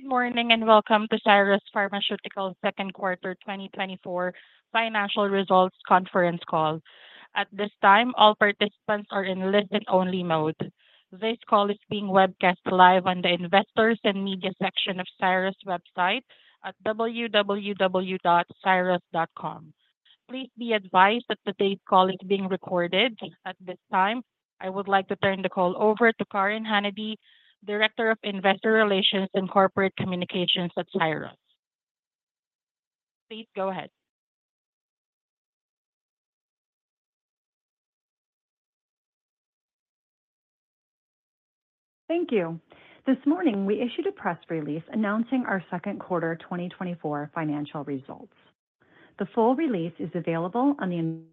Good morning, and welcome to Syros Pharmaceuticals second quarter 2024 financial results conference call. At this time, all participants are in listen-only mode. This call is being webcast live on the Investors and Media section of Syros' website at www.syros.com. Please be advised that today's call is being recorded. At this time, I would like to turn the call over to Karen Hunady, Director of Investor Relations and Corporate Communications at Syros. Please go ahead. Thank you. This morning, we issued a press release announcing our second quarter 2024 financial results. The full release is available on the Investor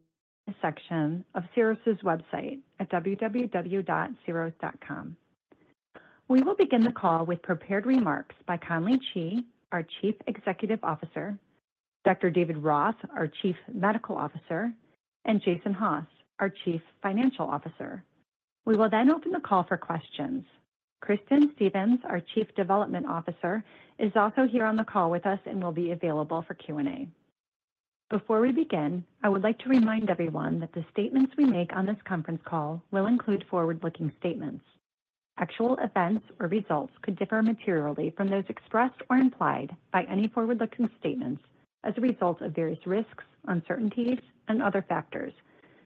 section of Syros' website at www.syros.com. We will begin the call with prepared remarks by Conley Chee, our Chief Executive Officer, Dr. David Roth, our Chief Medical Officer, and Jason Haas, our Chief Financial Officer. We will then open the call for questions. Kristin Stephens, our Chief Development Officer, is also here on the call with us and will be available for Q&A. Before we begin, I would like to remind everyone that the statements we make on this conference call will include forward-looking statements. Actual events or results could differ materially from those expressed or implied by any forward-looking statements as a result of various risks, uncertainties, and other factors,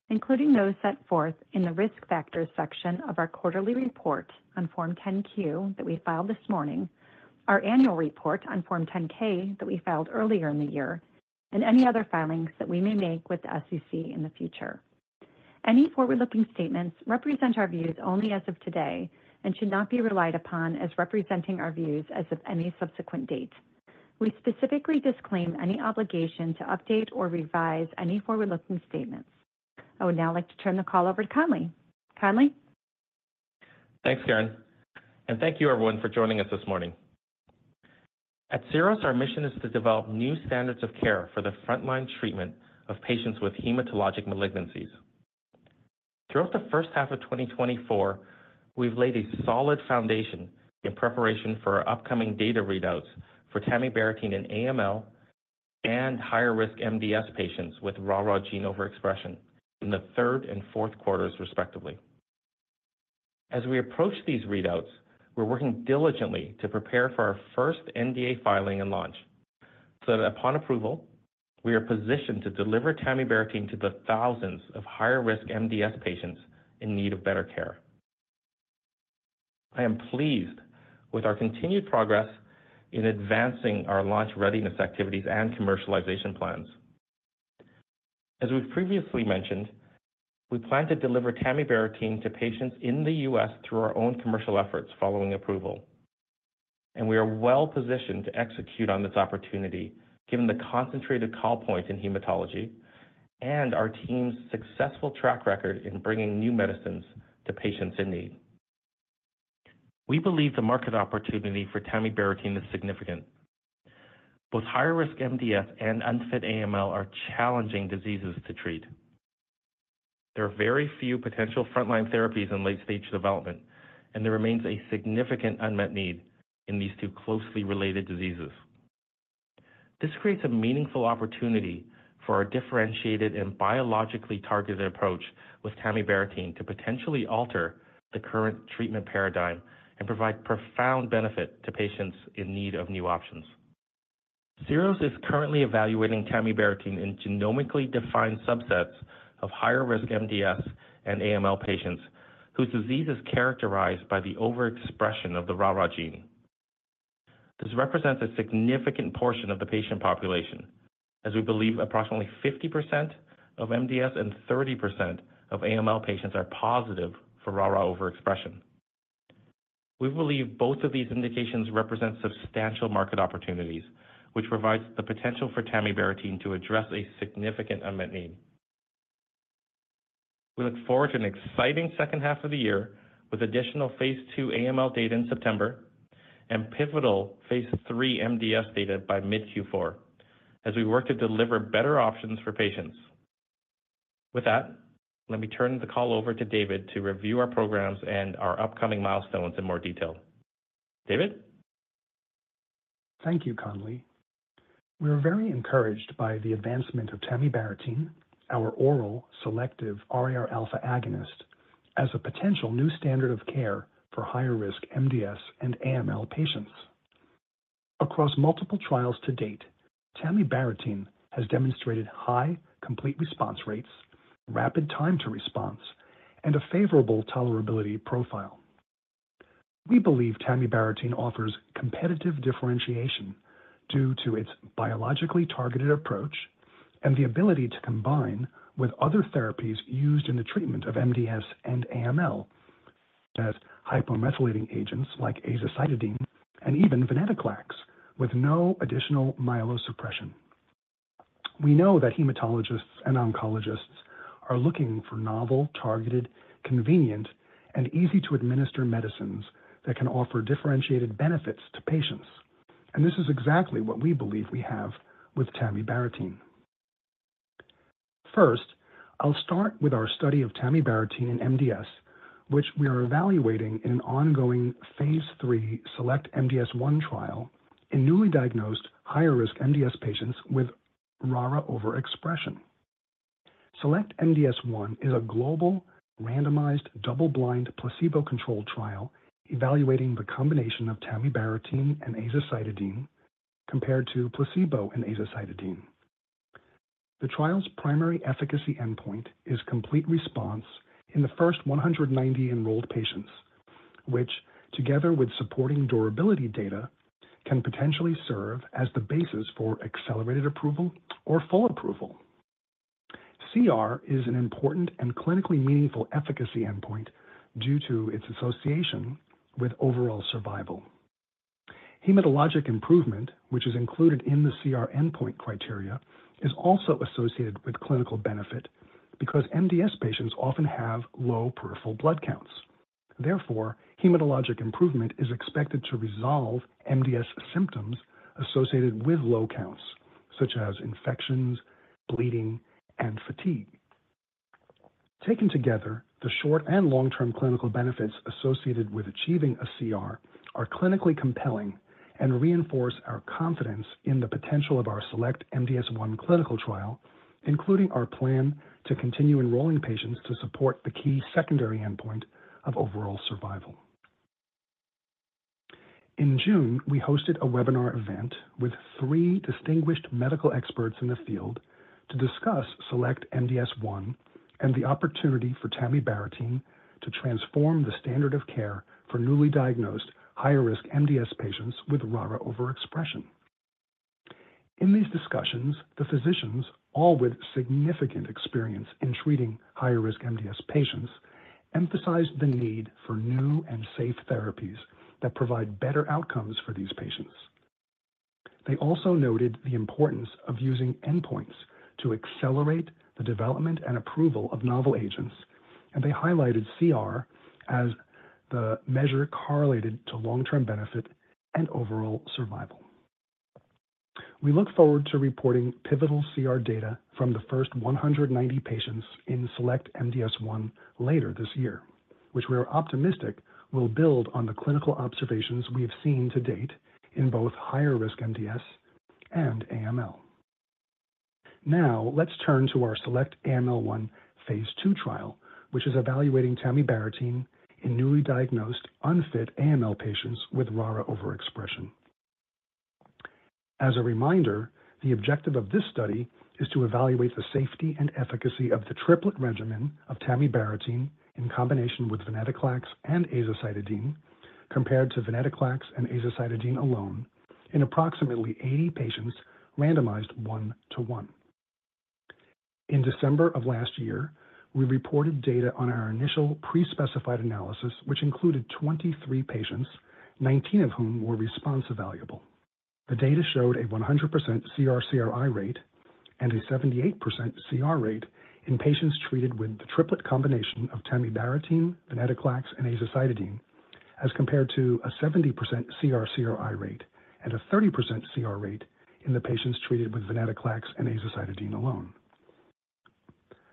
including those set forth in the Risk Factors section of our quarterly report on Form 10-Q that we filed this morning, our annual report on Form 10-K that we filed earlier in the year, and any other filings that we may make with the SEC in the future. Any forward-looking statements represent our views only as of today and should not be relied upon as representing our views as of any subsequent date. We specifically disclaim any obligation to update or revise any forward-looking statements. I would now like to turn the call over to Conley. Conley? Thanks, Karen, and thank you everyone for joining us this morning. At Syros, our mission is to develop new standards of care for the frontline treatment of patients with hematologic malignancies. Throughout the first half of 2024, we've laid a solid foundation in preparation for our upcoming data readouts for tamibarotene in AML and higher-risk MDS patients with RARA gene overexpression in the third and fourth quarters, respectively. As we approach these readouts, we're working diligently to prepare for our first NDA filing and launch so that upon approval, we are positioned to deliver tamibarotene to the thousands of higher-risk MDS patients in need of better care. I am pleased with our continued progress in advancing our launch readiness activities and commercialization plans. As we've previously mentioned, we plan to deliver tamibarotene to patients in the U.S. through our own commercial efforts following approval, and we are well-positioned to execute on this opportunity, given the concentrated call point in hematology and our team's successful track record in bringing new medicines to patients in need. We believe the market opportunity for tamibarotene is significant. Both higher-risk MDS and unfit AML are challenging diseases to treat. There are very few potential frontline therapies in late-stage development, and there remains a significant unmet need in these two closely related diseases. This creates a meaningful opportunity for our differentiated and biologically targeted approach with tamibarotene to potentially alter the current treatment paradigm and provide profound benefit to patients in need of new options. Syros is currently evaluating tamibarotene in genomically defined subsets of higher-risk MDS and AML patients whose disease is characterized by the overexpression of the RARA gene. This represents a significant portion of the patient population, as we believe approximately 50% of MDS and 30% of AML patients are positive for RARA overexpression. We believe both of these indications represent substantial market opportunities, which provides the potential for tamibarotene to address a significant unmet need. We look forward to an exciting second half of the year, with additional phase II AML data in September and pivotal phase III MDS data by mid-Q4 as we work to deliver better options for patients. With that, let me turn the call over to David to review our programs and our upcoming milestones in more detail. David? Thank you, Conley. We are very encouraged by the advancement of tamibarotene, our oral selective RAR alpha agonist, as a potential new standard of care for higher-risk MDS and AML patients. Across multiple trials to date, tamibarotene has demonstrated high, complete response rates, rapid time to response, and a favorable tolerability profile. We believe tamibarotene offers competitive differentiation due to its biologically targeted approach and the ability to combine with other therapies used in the treatment of MDS and AML, such as hypomethylating agents like azacitidine and even venetoclax, with no additional myelosuppression. We know that hematologists and oncologists are looking for novel, targeted, convenient, and easy-to-administer medicines that can offer differentiated benefits to patients, and this is exactly what we believe we have with tamibarotene. First, I'll start with our study of tamibarotene in MDS, which we are evaluating in an ongoing phase III SELECT-MDS-1 trial in newly diagnosed higher-risk MDS patients with RARA overexpression. SELECT-MDS-1 is a global, randomized, double-blind, placebo-controlled trial evaluating the combination of tamibarotene and azacitidine compared to placebo and azacitidine. The trial's primary efficacy endpoint is complete response in the first 190 enrolled patients, which, together with supporting durability data, can potentially serve as the basis for accelerated approval or full approval. CR is an important and clinically meaningful efficacy endpoint due to its association with overall survival. Hematologic improvement, which is included in the CR endpoint criteria, is also associated with clinical benefit because MDS patients often have low peripheral blood counts. Therefore, hematologic improvement is expected to resolve MDS symptoms associated with low counts, such as infections, bleeding, and fatigue. Taken together, the short- and long-term clinical benefits associated with achieving a CR are clinically compelling and reinforce our confidence in the potential of our SELECT-MDS-1 clinical trial, including our plan to continue enrolling patients to support the key secondary endpoint of overall survival. In June, we hosted a webinar event with three distinguished medical experts in the field to discuss SELECT-MDS-1 and the opportunity for tamibarotene to transform the standard of care for newly diagnosed higher-risk MDS patients with RARA overexpression. In these discussions, the physicians, all with significant experience in treating higher-risk MDS patients, emphasized the need for new and safe therapies that provide better outcomes for these patients. They also noted the importance of using endpoints to accelerate the development and approval of novel agents, and they highlighted CR as the measure correlated to long-term benefit and overall survival. We look forward to reporting pivotal CR data from the first 190 patients in SELECT-MDS-1 later this year, which we are optimistic will build on the clinical observations we have seen to date in both higher-risk MDS and AML. Now, let's turn to our SELECT-AML-1 phase II trial, which is evaluating tamibarotene in newly diagnosed unfit AML patients with RARA overexpression. As a reminder, the objective of this study is to evaluate the safety and efficacy of the triplet regimen of tamibarotene in combination with venetoclax and azacitidine, compared to venetoclax and azacitidine alone in approximately 80 patients randomized one-to-one. In December of last year, we reported data on our initial pre-specified analysis, which included 23 patients, 19 of whom were response evaluable. The data showed a 100% CR/CRi rate and a 78% CR rate in patients treated with the triplet combination of tamibarotene, venetoclax, and azacitidine, as compared to a 70% CR/CRi rate and a 30% CR rate in the patients treated with venetoclax and azacitidine alone.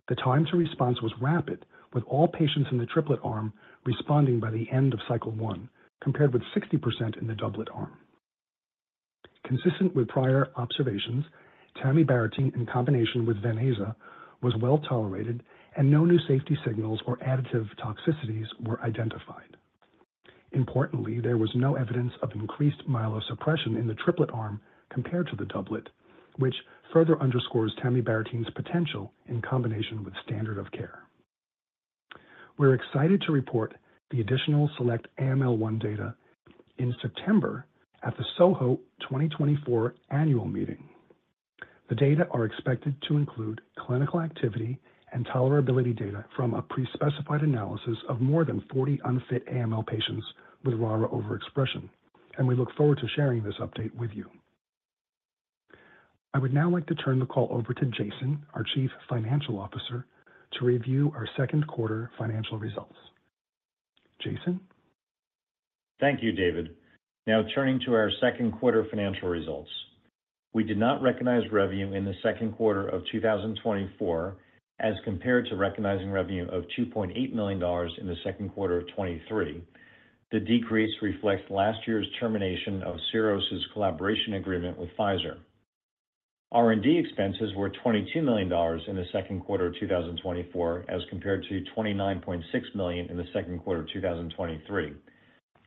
The time to response was rapid, with all patients in the triplet arm responding by the end of cycle one, compared with 60% in the doublet arm. Consistent with prior observations, tamibarotene in combination with venetoclax was well-tolerated, and no new safety signals or additive toxicities were identified. Importantly, there was no evidence of increased myelosuppression in the triplet arm compared to the doublet, which further underscores tamibarotene's potential in combination with standard of care. We're excited to report the additional SELECT-AML-1 data in September at the SOHO 2024 Annual Meeting. The data are expected to include clinical activity and tolerability data from a pre-specified analysis of more than 40 unfit AML patients with RARA overexpression, and we look forward to sharing this update with you. I would now like to turn the call over to Jason, our Chief Financial Officer, to review our second quarter financial results. Jason? Thank you, David. Now turning to our second quarter financial results. We did not recognize revenue in the second quarter of 2024 as compared to recognizing revenue of $2.8 million in the second quarter of 2023. The decrease reflects last year's termination of Syros's collaboration agreement with Pfizer. R&D expenses were $22 million in the second quarter of 2024, as compared to $29.6 million in the second quarter of 2023.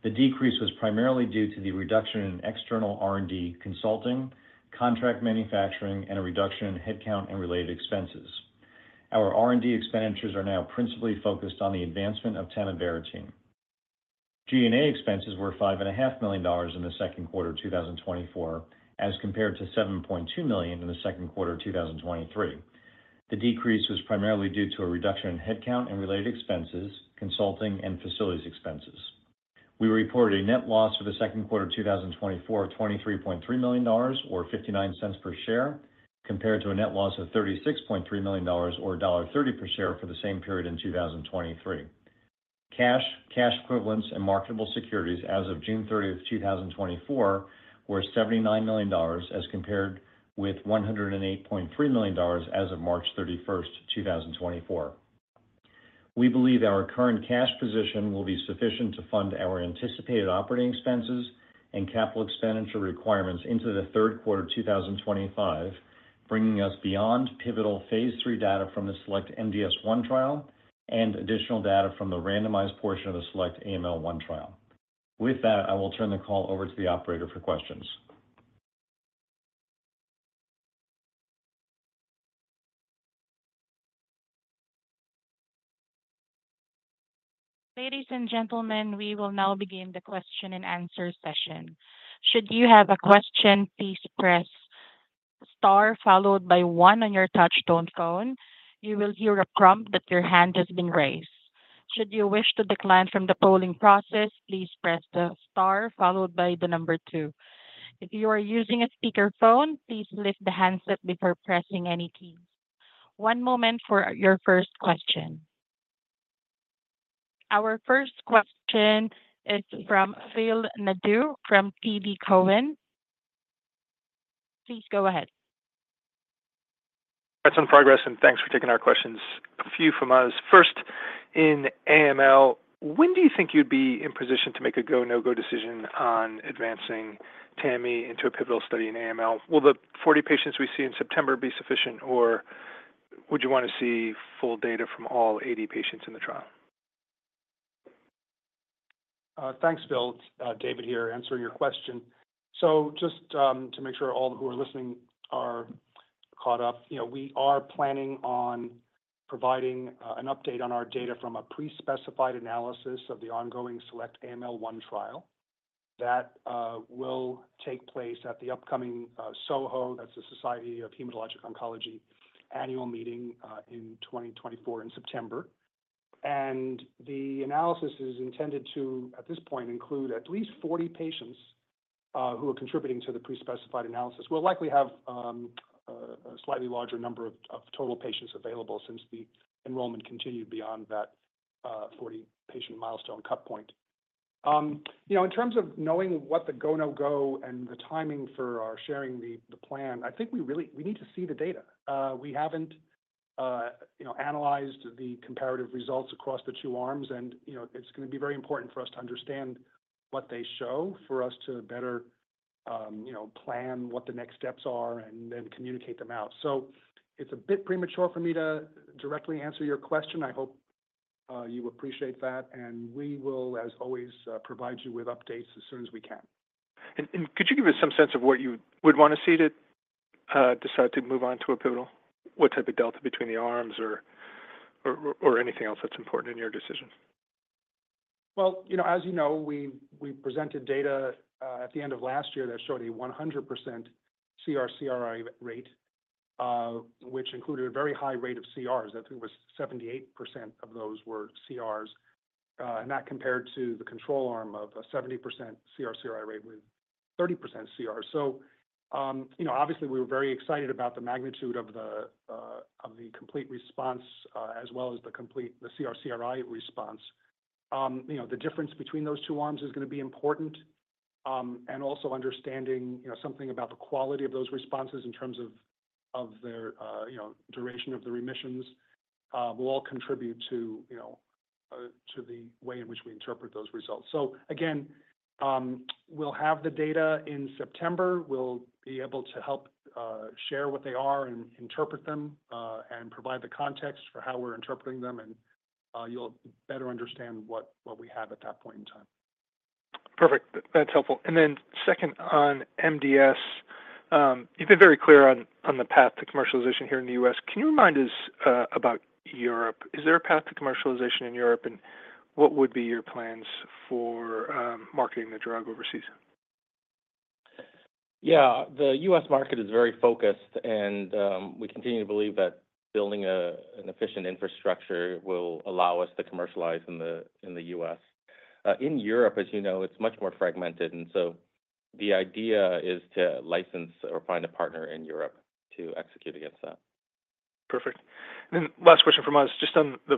The decrease was primarily due to the reduction in external R&D consulting, contract manufacturing, and a reduction in headcount and related expenses. Our R&D expenditures are now principally focused on the advancement of tamibarotene. G&A expenses were $5.5 million in the second quarter of 2024, as compared to $7.2 million in the second quarter of 2023. The decrease was primarily due to a reduction in headcount and related expenses, consulting, and facilities expenses. We reported a net loss for the second quarter of 2024 of $23.3 million, or $0.59 per share, compared to a net loss of $36.3 million, or $1.30 per share, for the same period in 2023. Cash, cash equivalents, and marketable securities as of June 30, 2024, were $79 million, as compared with $108.3 million as of March 31, 2024. We believe our current cash position will be sufficient to fund our anticipated operating expenses and capital expenditure requirements into the third quarter of 2025, bringing us beyond pivotal phase III data from the SELECT-MDS-1 trial and additional data from the randomized portion of the SELECT-AML-1 trial. With that, I will turn the call over to the operator for questions. Ladies and gentlemen, we will now begin the question and answer session. Should you have a question, please press star followed by one on your touch-tone phone. You will hear a prompt that your hand has been raised. Should you wish to decline from the polling process, please press the star followed by the number two. If you are using a speakerphone, please lift the handset before pressing any keys. One moment for your first question. Our first question is from Phil Nadeau from TD Cowen. Please go ahead. That's in progress, and thanks for taking our questions. A few from us. First, in AML, when do you think you'd be in position to make a go, no-go decision on advancing TAMI into a pivotal study in AML? Will the 40 patients we see in September be sufficient, or would you want to see full data from all 80 patients in the trial? Thanks, Phil. David here, answering your question. So just to make sure all who are listening are caught up, you know, we are planning on providing an update on our data from a pre-specified analysis of the ongoing SELECT-AML-1 trial. That will take place at the upcoming SOHO, that's the Society of Hematologic Oncology Annual Meeting, in 2024 in September. And the analysis is intended to, at this point, include at least 40 patients who are contributing to the pre-specified analysis. We'll likely have a slightly larger number of total patients available since the enrollment continued beyond that 40-patient milestone cut point. You know, in terms of knowing what the go, no-go, and the timing for our sharing the plan, I think we really we need to see the data. We haven't, you know, analyzed the comparative results across the two arms, and, you know, it's gonna be very important for us to understand what they show for us to better, you know, plan what the next steps are and then communicate them out. So it's a bit premature for me to directly answer your question. I hope you appreciate that, and we will, as always, provide you with updates as soon as we can. Could you give us some sense of what you would want to see to decide to move on to a pivotal? What type of delta between the arms or anything else that's important in your decision? Well, you know, as you know, we presented data at the end of last year that showed a 100% CR/CRi rate, which included a very high rate of CRs. I think it was 78% of those were CRs, and that compared to the control arm of a 70% CR/CRi rate with 30% CR. So, you know, obviously, we were very excited about the magnitude of the complete response, as well as the complete CR/CRi response. You know, the difference between those two arms is gonna be important, and also understanding, you know, something about the quality of those responses in terms of their, you know, duration of the remissions, will all contribute to, you know, to the way in which we interpret those results. So again, we'll have the data in September. We'll be able to help share what they are and interpret them, and provide the context for how we're interpreting them, and you'll better understand what we have at that point in time. Perfect. That's helpful. And then second, on MDS, you've been very clear on the path to commercialization here in the U.S. Can you remind us about Europe? Is there a path to commercialization in Europe, and what would be your plans for marketing the drug overseas? Yeah. The U.S. market is very focused, and we continue to believe that building an efficient infrastructure will allow us to commercialize in the U.S. In Europe, as you know, it's much more fragmented, and so the idea is to license or find a partner in Europe to execute against that. Perfect. Then last question from us, just on the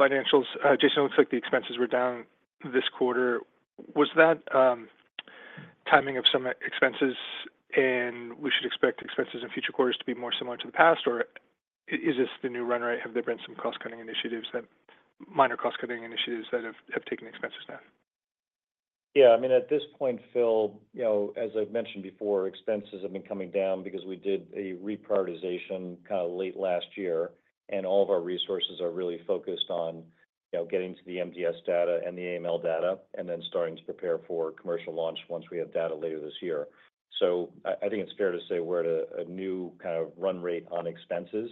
financials. Jason, it looks like the expenses were down this quarter. Was that, timing of some expenses, and we should expect expenses in future quarters to be more similar to the past, or is this the new run rate? Have there been some cost-cutting initiatives that-- minor cost-cutting initiatives that have, have taken expenses down? Yeah, I mean, at this point, Phil, you know, as I've mentioned before, expenses have been coming down because we did a reprioritization kind of late last year, and all of our resources are really focused on, you know, getting to the MDS data and the AML data and then starting to prepare for commercial launch once we have data later this year. So I think it's fair to say we're at a new kind of run rate on expenses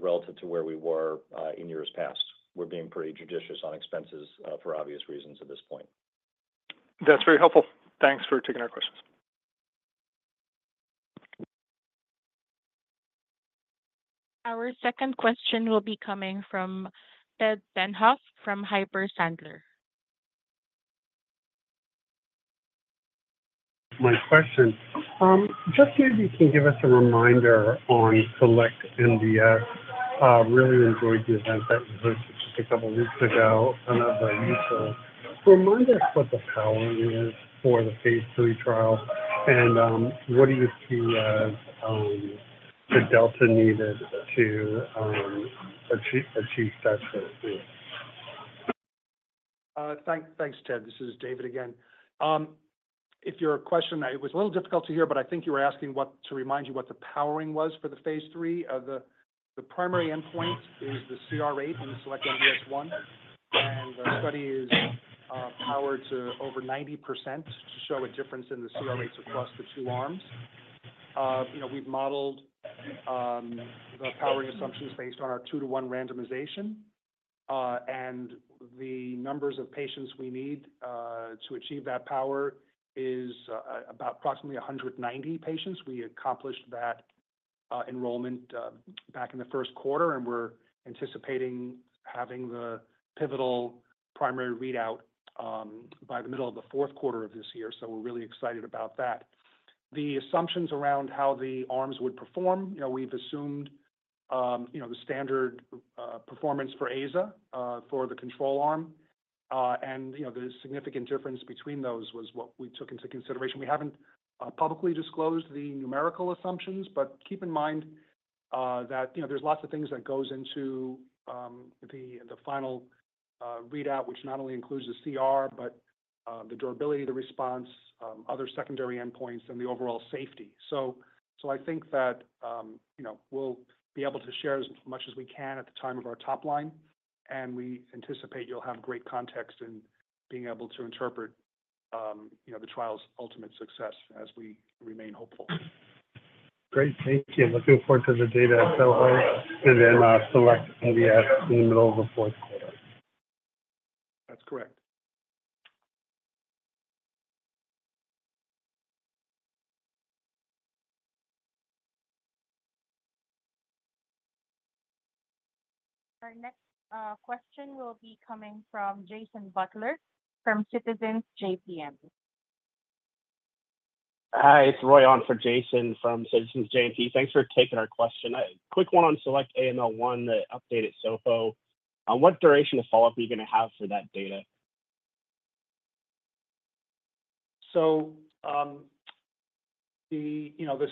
relative to where we were in years past. We're being pretty judicious on expenses for obvious reasons at this point. That's very helpful. Thanks for taking our questions. Our second question will be coming from Ted Tenthoff from Piper Sandler. My question. Just maybe you can give us a reminder on SELECT-MDS. Really enjoyed the event that you hosted just a couple weeks ago, another useful. Remind us what the powering is for the phase III trial, and, what do you see as, the delta needed to, achieve that goal? Thanks, Ted. This is David again. If your question, it was a little difficult to hear, but I think you were asking what, to remind you what the powering was for the phase III. The primary endpoint is the CR rate in the SELECT-MDS-1, and the study is powered to over 90% to show a difference in the CR rates across the two arms. You know, we've modeled the powering assumptions based on our two to one randomization. And the numbers of patients we need to achieve that power is about approximately 190 patients. We accomplished that enrollment back in the first quarter, and we're anticipating having the pivotal primary readout by the middle of the fourth quarter of this year, so we're really excited about that. The assumptions around how the arms would perform, you know, we've assumed, you know, the standard performance for AZA for the control arm. And, you know, the significant difference between those was what we took into consideration. We haven't publicly disclosed the numerical assumptions, but keep in mind that, you know, there's lots of things that goes into the final readout, which not only includes the CR, but the durability, the response, other secondary endpoints, and the overall safety. So I think that, you know, we'll be able to share as much as we can at the time of our top line, and we anticipate you'll have great context in being able to interpret, you know, the trial's ultimate success as we remain hopeful. Great, thank you. Looking forward to the data at SOHO and then, SELECT-MDS in the middle of the fourth quarter. That's correct. Our next question will be coming from Jason Butler from Citizens JMP. Hi, it's Roy on for Jason from Citizens JMP. Thanks for taking our question. A quick one on SELECT-AML-1, the updated SOHO. What duration of follow-up are you gonna have for that data? So, you know, the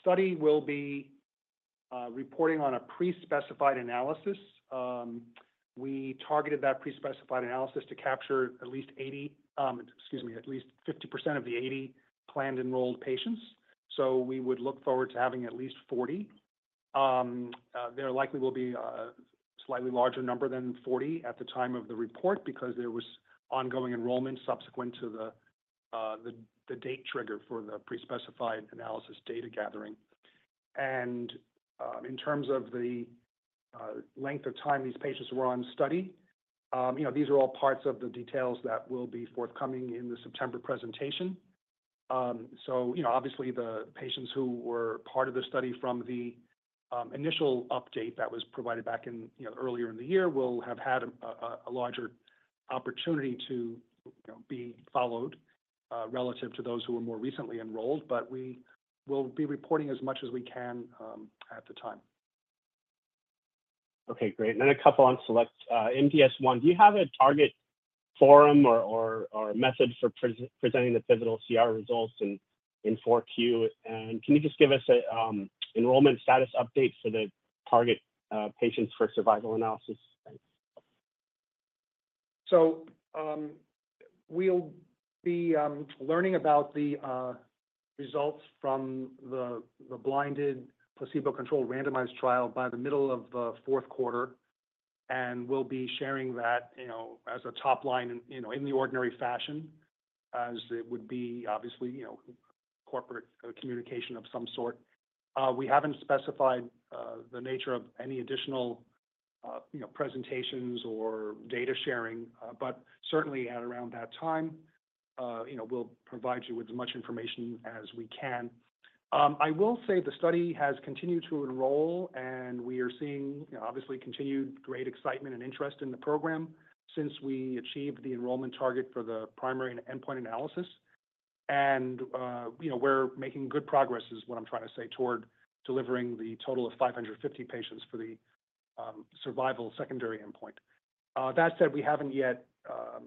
study will be reporting on a pre-specified analysis. We targeted that pre-specified analysis to capture at least 80, excuse me, at least 50% of the 80 planned enrolled patients, so we would look forward to having at least 40. There likely will be a slightly larger number than 40 at the time of the report because there was ongoing enrollment subsequent to the date trigger for the pre-specified analysis data gathering. In terms of the length of time these patients were on study, you know, these are all parts of the details that will be forthcoming in the September presentation. So, you know, obviously, the patients who were part of the study from the initial update that was provided back in, you know, earlier in the year will have had a larger opportunity to, you know, be followed, relative to those who were more recently enrolled. But we will be reporting as much as we can, at the time. Okay, great. And then a couple on SELECT-MDS-1. Do you have a target forum or method for presenting the pivotal CR results in 4Q? And can you just give us a enrollment status update for the target patients for survival analysis? Thanks. So, we'll be learning about the results from the blinded placebo-controlled randomized trial by the middle of the fourth quarter, and we'll be sharing that, you know, as a top line, you know, in the ordinary fashion as it would be, obviously, you know, corporate communication of some sort. We haven't specified the nature of any additional, you know, presentations or data sharing, but certainly at around that time, you know, we'll provide you with as much information as we can. I will say the study has continued to enroll, and we are seeing, you know, obviously continued great excitement and interest in the program since we achieved the enrollment target for the primary and endpoint analysis. You know, we're making good progress, is what I'm trying to say, toward delivering the total of 550 patients for the survival secondary endpoint. That said, we haven't yet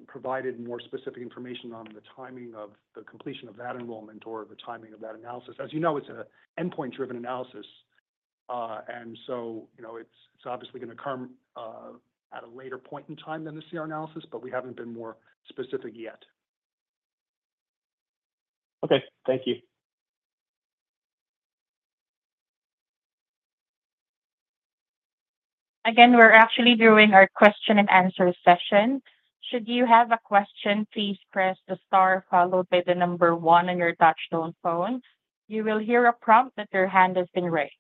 provided more specific information on the timing of the completion of that enrollment or the timing of that analysis. As you know, it's a endpoint-driven analysis, and so, you know, it's obviously gonna come at a later point in time than the CR analysis, but we haven't been more specific yet. Okay. Thank you. Again, we're actually doing our question and answer session. Should you have a question, please press the star followed by the number one on your touch-tone phone. You will hear a prompt that your hand has been raised.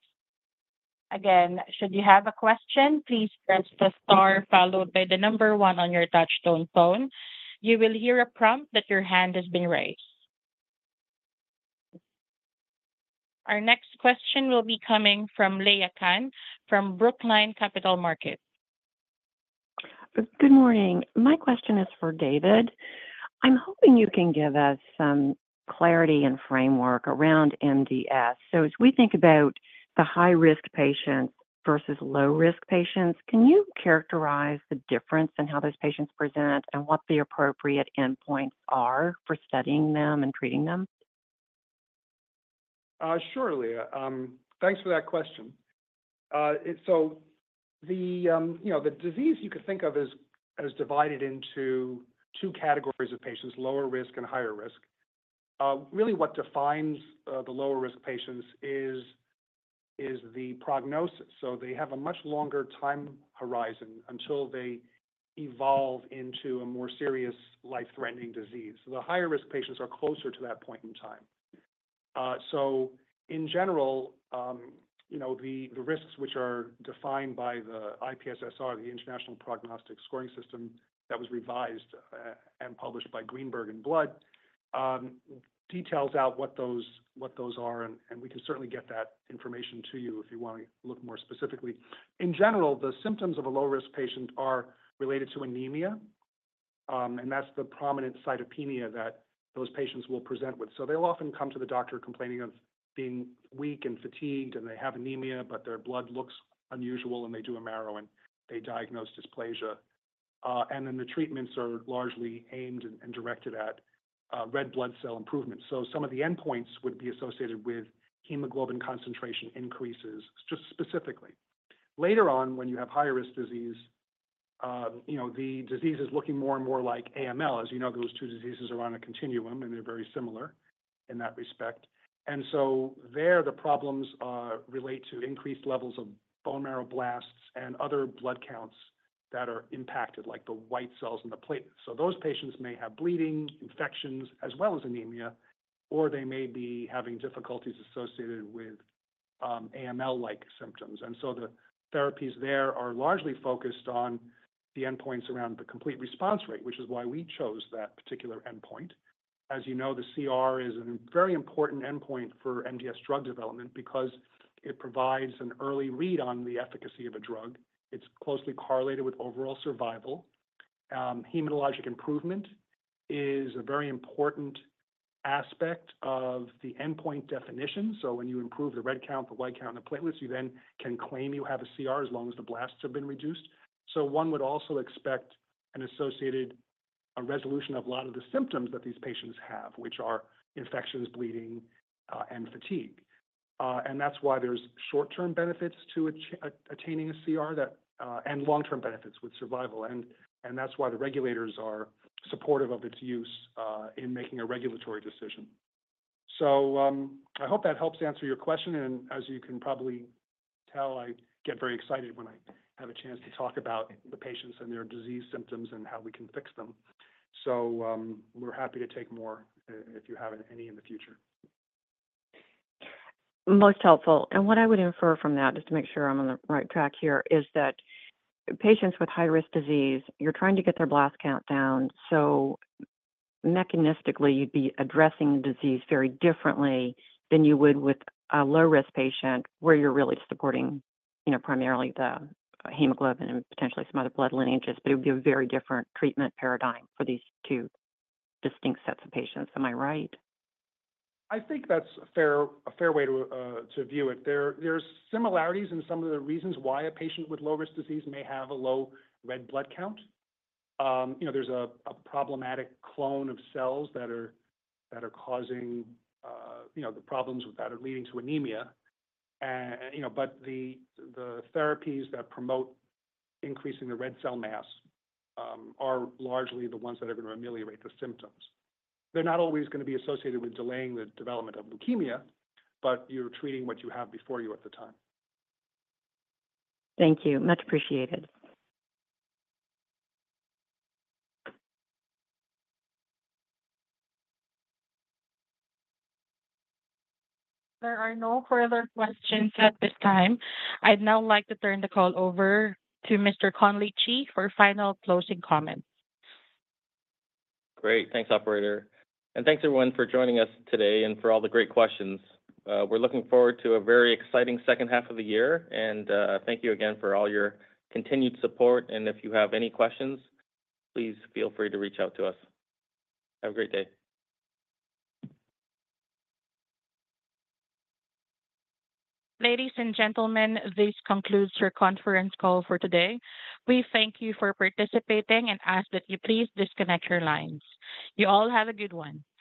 Again, should you have a question, please press the star followed by the number one on your touch-tone phone. You will hear a prompt that your hand has been raised.... Our next question will be coming from Leah Cann from Brookline Capital Markets. Good morning. My question is for David. I'm hoping you can give us some clarity and framework around MDS. So as we think about the high-risk patients versus low-risk patients, can you characterize the difference in how those patients present and what the appropriate endpoints are for studying them and treating them? Surely, thanks for that question. And so the, you know, the disease you could think of as divided into two categories of patients, lower risk and higher risk. Really what defines the lower risk patients is the prognosis. So they have a much longer time horizon until they evolve into a more serious life-threatening disease. The higher risk patients are closer to that point in time. So in general, you know, the, the risks which are defined by the IPSS-R, the International Prognostic Scoring System, that was revised, and published by Greenberg in Blood, details out what those are, and we can certainly get that information to you if you wanna look more specifically. In general, the symptoms of a low-risk patient are related to anemia, and that's the prominent cytopenia that those patients will present with. So they'll often come to the doctor complaining of being weak and fatigued, and they have anemia, but their blood looks unusual, and they do a marrow, and they diagnose dysplasia. And then the treatments are largely aimed and directed at red blood cell improvement. So some of the endpoints would be associated with hemoglobin concentration increases, just specifically. Later on, when you have higher risk disease, you know, the disease is looking more and more like AML. As you know, those two diseases are on a continuum, and they're very similar in that respect. There, the problems are related to increased levels of bone marrow blasts and other blood counts that are impacted, like the white cells and the platelets. So those patients may have bleeding, infections, as well as anemia, or they may be having difficulties associated with AML-like symptoms. And so the therapies there are largely focused on the endpoints around the complete response rate, which is why we chose that particular endpoint. As you know, the CR is a very important endpoint for MDS drug development because it provides an early read on the efficacy of a drug. It's closely correlated with overall survival. Hematologic improvement is a very important aspect of the endpoint definition. So when you improve the red count, the white count, and the platelets, you then can claim you have a CR as long as the blasts have been reduced. So one would also expect an associated resolution of a lot of the symptoms that these patients have, which are infections, bleeding, and fatigue. And that's why there's short-term benefits to attaining a CR that, and long-term benefits with survival. And that's why the regulators are supportive of its use in making a regulatory decision. So I hope that helps answer your question, and as you can probably tell, I get very excited when I have a chance to talk about the patients and their disease symptoms and how we can fix them. So we're happy to take more if you have any in the future. Most helpful. And what I would infer from that, just to make sure I'm on the right track here, is that patients with High-risk disease, you're trying to get their blast count down, so mechanistically, you'd be addressing the disease very differently than you would with a low-risk patient, where you're really supporting, you know, primarily the hemoglobin and potentially some other blood lineages. But it would be a very different treatment paradigm for these two distinct sets of patients. Am I right? I think that's a fair, a fair way to to view it. There's similarities in some of the reasons why a patient with low-risk disease may have a low red blood count. You know, there's a, a problematic clone of cells that are, that are causing, you know, the problems with that are leading to anemia. And, you know, but the, the therapies that promote increasing the red cell mass, are largely the ones that are gonna ameliorate the symptoms. They're not always gonna be associated with delaying the development of leukemia, but you're treating what you have before you at the time. Thank you. Much appreciated. There are no further questions at this time. I'd now like to turn the call over to Mr. Conley Chee for final closing comments. Great. Thanks, operator, and thanks, everyone, for joining us today and for all the great questions. We're looking forward to a very exciting second half of the year, and thank you again for all your continued support. And if you have any questions, please feel free to reach out to us. Have a great day. Ladies and gentlemen, this concludes your conference call for today. We thank you for participating and ask that you please disconnect your lines. You all have a good one.